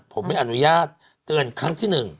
ผมไม่อนุญาตเตือนครั้งที่๑